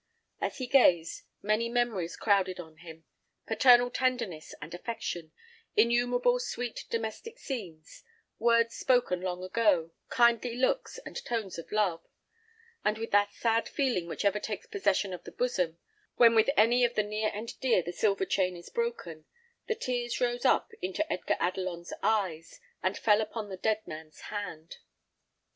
As he gazed, many memories crowded on him; paternal tenderness and affection, innumerable sweet domestic scenes, words spoken long ago, kindly looks and tones of love; and with that sad feeling which ever takes possession of the bosom, when with any of the near and dear the silver chain is broken, the tears rose up into Edgar Adelon's eyes, and fell upon the dead man's hand.